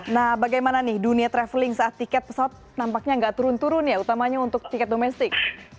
nah bagaimana nih dunia traveling saat tiket pesawat nampaknya nggak turun turun ya utamanya untuk tiket domestik